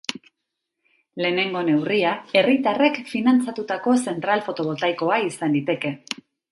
Lehenengo neurria, herritarrek finantzatutako zentral fotovoltaikoa izan liteke.